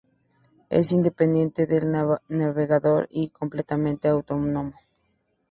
Es independiente del navegador y completamente autónomo.